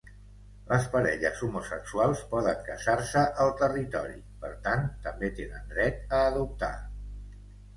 Les parelles homosexuals poden casar-se al territori, per tant, també tenen dret a adoptar.